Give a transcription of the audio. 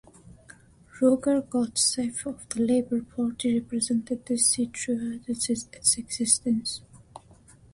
Roger Godsiff of the Labour Party represented this seat throughout its existence.